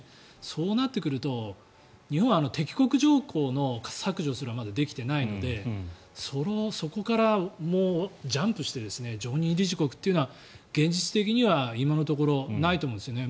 そうなってくると日本は敵国条項の削除すらまだできていないのでそこからジャンプして常任理事国というのは現実的には今のところないと思うんですよね。